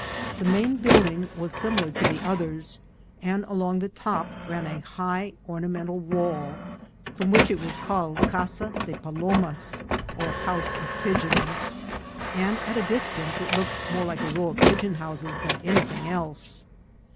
The main building was similar to the others, and along the top ran a high ornamented wall in this form, from which it was called Casa de Palomos, or House of Pigeons, and at a distance it looked more like a row of pigeon houses than anything else.